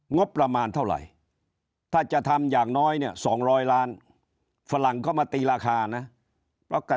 งบประมาณเท่าไหร่ถ้าจะทำอย่างน้อยเนี่ย๒๐๐ล้านฝรั่งก็มาตีราคานะเพราะกะ